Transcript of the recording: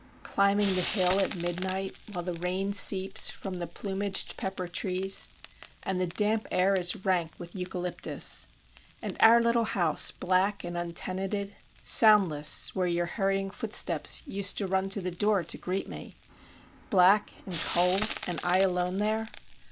â Climbing the hill at midnight, While the rain seeps from the plumaged pepper trees, And the damp air is rank with eucalyptus; And our little house black and untenanted, Soundless, where your hurrying footsteps Used to run to the door to greet me; Black, and cold, and I alone there?